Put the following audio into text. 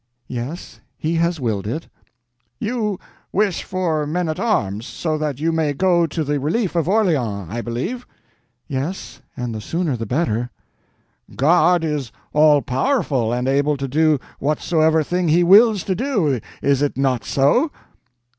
"Yes, He has willed it." "You wish for men at arms, so that you may go to the relief of Orleans, I believe?" "Yes—and the sooner the better." "God is all powerful, and able to do whatsoever thing He wills to do, is it not so?"